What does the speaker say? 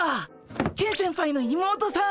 ケン先輩の妹さん！